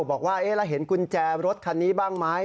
บอกว่าเราเห็นกุญแจรถคันนี้บ้างไหม